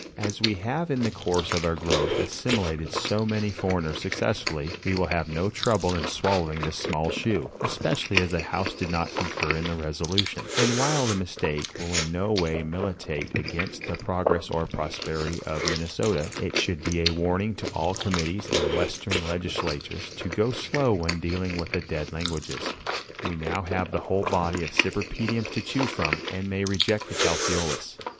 As we have in the course of our growth assimilated so many foreigners successfully, we will have no trouble in swallowing this small shoe, especially as the house did not concur in the resolution, and while the mistake will in no way militate against the progress or prosperity of Minnesota, it should be a warning to all committees and Western legislators to go slow when dealing with the dead languages. We now have the whole body of cypripediums to choose from, and may reject the calceolous.